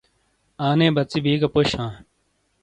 آنے بَژی بی گہ پوش ہاں۔